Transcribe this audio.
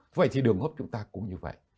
vậy thì đường hấp chúng ta cũng như vậy